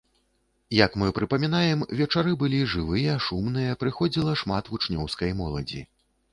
Як мы прыпамінаем, вечары былі жывыя, шумныя, прыходзіла шмат вучнёўскай моладзі.